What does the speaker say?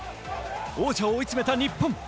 王者を追い詰めた日本。